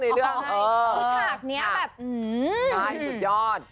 คุณฉากนี้แบบอื้อใช่สุดยอด